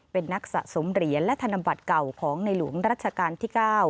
เป็นนักสะสมเหรียญและธนบัตรเก่าของในหลวงรัชกาลที่๙